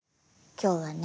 今日はね